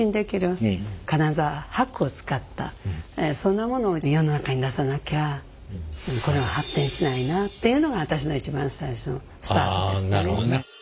だからもっと世の中に出さなきゃこれは発展しないなっていうのが私の一番最初のスタートですね。